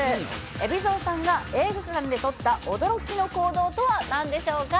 海老蔵さんが映画館で取った驚きの行動とはなんでしょうか。